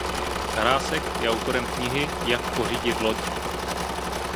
Karásek je autorem knihy "Jak pořídit loď".